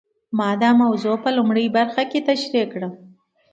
ما دا موضوع په لومړۍ برخه کې تشرېح کړه.